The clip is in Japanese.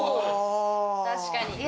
確かに。